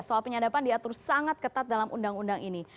soal penyadapan diatur sangat ketat dalam undang undang ini